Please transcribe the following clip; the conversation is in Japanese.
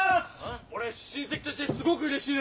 俺親戚としてすごくうれしいです。